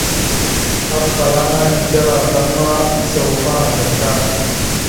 Afalaŋa kikera azlam ma, maɓəsa uvah agal da.